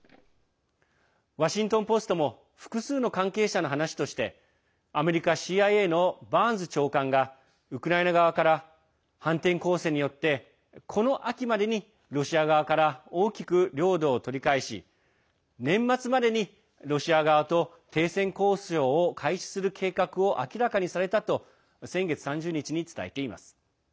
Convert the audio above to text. ワシントン・ポストも複数の関係者の話としてアメリカＣＩＡのバーンズ長官がウクライナ側から反転攻勢によってこの秋までにロシア側から大きく領土を取り返し年末までにロシア側と停戦交渉を開始する計画を明らかにされたと先月３０日に伝えています。